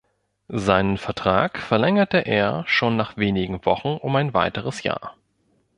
Seinen Vertrag verlängerte er schon nach wenigen Wochen um ein weiteres Jahr.